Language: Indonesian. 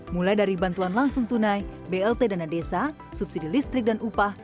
mulai dari bantuan langsung tunai blt dana desa subsidi listrik dan upah